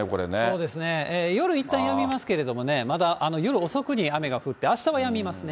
そうですね、夜いったんやみますけれども、まだ夜遅くに雨が降って、あしたはやみますね。